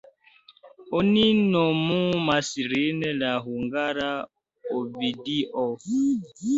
Oni nomumas lin "la hungara Ovidio".